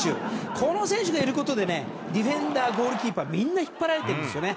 この選手がいることでディフェンダーゴールキーパーみんな引っ張られてるんですね。